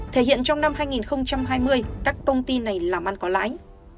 thể hiện trong năm hai nghìn hai mươi các công ty này làm ăn có lãi